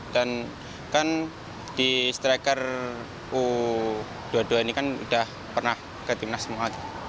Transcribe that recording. dan kan di striker u dua puluh dua ini kan udah pernah ke timnas semua